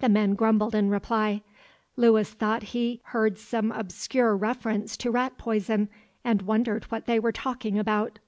The men grumbled in reply; Lewis thought he heard some obscure reference to rat poison, and wondered what they were talking about.